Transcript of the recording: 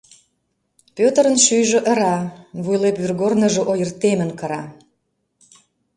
— Пӧтырын шӱйжӧ ыра, вуйлеп вӱргорныжо ойыртемын кыра.